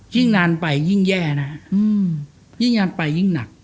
ยิ่งนานไปยิ่งแย่นะฮะยิ่งนานไปยิ่งหนัก